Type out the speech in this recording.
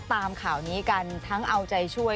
ตามข่าวนี้กันทั้งเอาใจช่วย